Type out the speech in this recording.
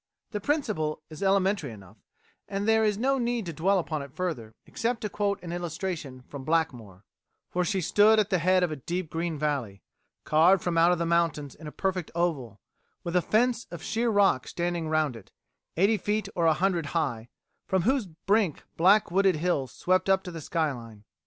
The principle is elementary enough, and there is no need to dwell upon it further, except to quote an illustration from Blackmore: "For she stood at the head of a deep green valley, carved from out the mountains in a perfect oval, with a fence of sheer rock standing round it, eighty feet or a hundred high, from whose brink black wooded hills swept up to the skyline.